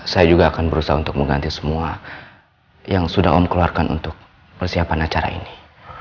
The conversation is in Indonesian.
saya juga akan berusaha untuk mengganti semua yang sudah om keluarkan untuk persiapan acara ini